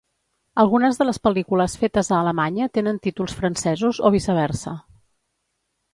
Algunes de les pel·lícules fetes a Alemanya tenen títols francesos o viceversa.